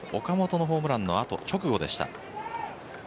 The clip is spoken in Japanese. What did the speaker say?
岡本のホームランの直後でした。